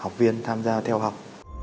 học viên tham gia theo học